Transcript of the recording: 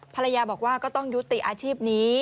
ภรรยาบอกว่าก็ต้องยุติอาชีพนี้